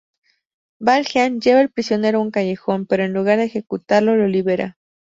Valjean lleva al prisionero a un callejón, pero en lugar de ejecutarlo lo libera.